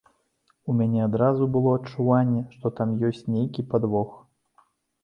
У мяне адразу было адчуванне, што там ёсць нейкі падвох.